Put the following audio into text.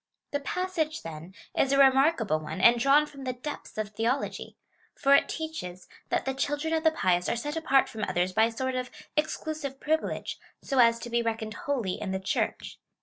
The passage, then, is a remarkable one, and drawn from the depths of theology ; for it teaches, that the children of the pious are set apart from others by a sort of exclusive privilege, so as to be reckoned holy in the Church.